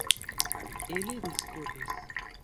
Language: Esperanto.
Ili diskutis.